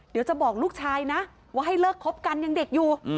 เดี๋ยวจะบอกลูกชายนะว่าให้เลิกคบกันยังเด็กอยู่